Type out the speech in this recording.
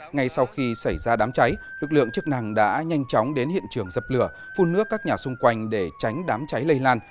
ngay sau khi xảy ra đám cháy lực lượng chức năng đã nhanh chóng đến hiện trường dập lửa phun nước các nhà xung quanh để tránh đám cháy lây lan